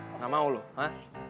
nggak mau lu ha